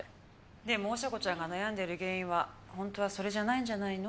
でもおしゃ子ちゃんが悩んでる原因はホントはそれじゃないんじゃないの？